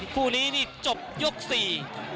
คู่นี้นี่จบยกสี่